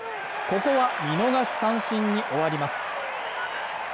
ここは見逃し三振に終わります